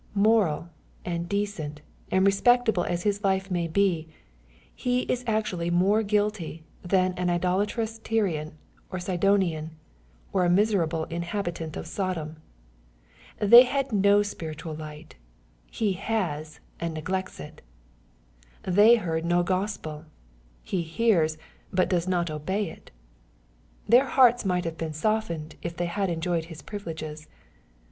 Moral, and decent, and respectable as his life may be, he is actually more guilty than an idolatrous Tyrijin or Sidonian, or a miserable inhabitant of Sodom. They had no spiritual light : he has, and neglects it. — They heard no Gospel ; he hears, but does not obey it. — Their hearts might have been softened, if they had enjoyed his privileges.